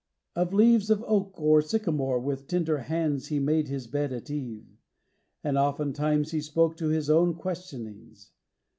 Of leaves of oak Or sycamore with tender hands he made His bed at eve; and oftentimes he spoke To his own questionings.